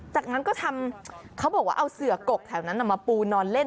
จากนั้นก็ทำเขาบอกว่าเอาเสือกกแถวนั้นมาปูนอนเล่น